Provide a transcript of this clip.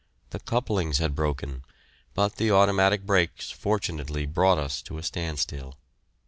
The couplings had broken, but the automatic brakes, fortunately, brought us to a standstill.